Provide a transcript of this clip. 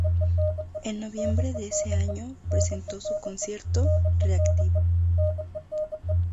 En noviembre de ese año, presentó su concierto "Re-activo".